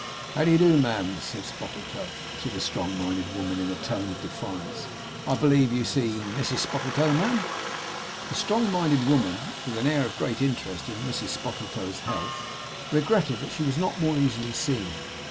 'How do you do, ma'am!' said Spottletoe to the strong minded woman in a tone of defiance. 'I believe you see Mrs Spottletoe, ma'am?' The strong minded woman with an air of great interest in Mrs Spottletoe's health, regretted that she was not more easily seen.